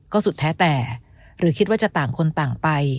ก็สุดแท้แต่หรือคิดว่าจะต่างคนต่างไป